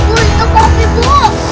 bu itu poppy bu